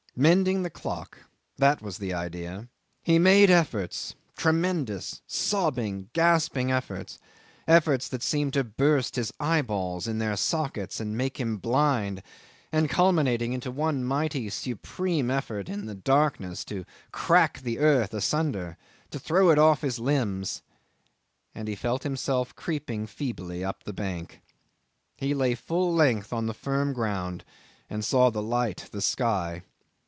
Mending the clock that was the idea. He made efforts, tremendous sobbing, gasping efforts, efforts that seemed to burst his eyeballs in their sockets and make him blind, and culminating into one mighty supreme effort in the darkness to crack the earth asunder, to throw it off his limbs and he felt himself creeping feebly up the bank. He lay full length on the firm ground and saw the light, the sky.